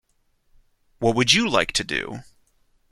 What would you like to do?